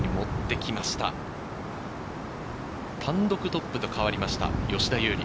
単独トップと変わりました、吉田優利。